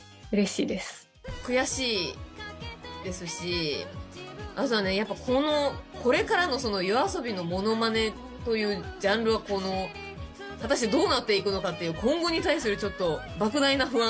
悔しいですしそうだねやっぱこのこれからのＹＯＡＳＯＢＩのモノマネというジャンルは果たしてどうなっていくのかという今後に対するちょっと莫大な不安？